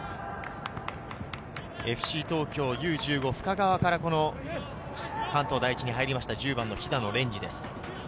ＦＣ東京Ｕ−１５・深川から関東第一に入りました、肥田野蓮治です。